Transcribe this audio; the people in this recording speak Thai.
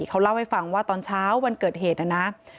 เขาเล่าให้ฟังว่าตอนเช้าวันเกิดเหตุนะนะ